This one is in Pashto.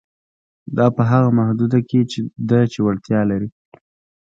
دا په هغه محدوده کې ده چې وړتیا لري.